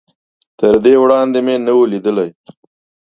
تر دې وړاندې مې نه و ليدلی.